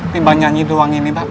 ini mbak nyanyi doang ini mbak